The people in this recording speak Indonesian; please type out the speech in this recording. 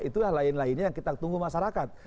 itu yang lain lainnya yang kita tunggu masyarakat